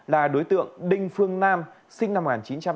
là đối tượng đinh phương nam sinh năm một nghìn chín trăm tám mươi